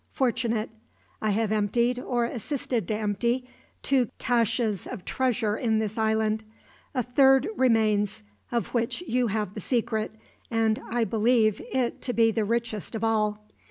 fortunate. I have emptied, or assisted to empty, two caches of treasure in this island. A third remains, of which you have the secret, and I believe it to be the richest of all.